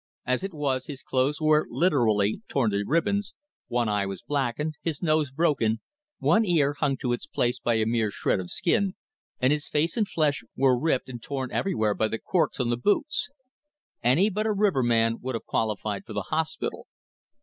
As it was, his clothes were literally torn to ribbons, one eye was blacked, his nose broken, one ear hung to its place by a mere shred of skin, and his face and flesh were ripped and torn everywhere by the "corks" on the boots. Any but a riverman would have qualified for the hospital.